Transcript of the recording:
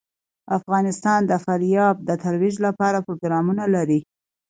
افغانستان د فاریاب د ترویج لپاره پروګرامونه لري.